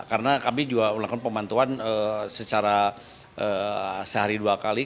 karena kami juga melakukan pemantauan secara sehari dua kali